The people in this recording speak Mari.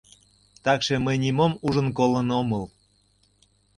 Такше мый нимом ужын-колын омыл.